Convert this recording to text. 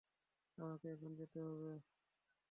আমাকে এখন যেতে হবে।